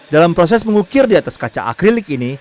dalam proses mengukir di atas kaca akrilik ini